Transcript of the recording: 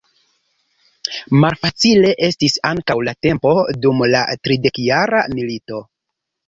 Malfacile estis ankaŭ la tempo dum la Tridekjara milito.